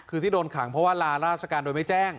คือที่โดนขังเพราะว่าลาราชการโดยไม่แจ้ง